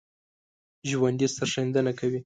ژوندي سرښندنه کوي